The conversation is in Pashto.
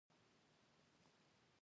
د حماس او اسرائیل پلاوي مصر ته رسېدلي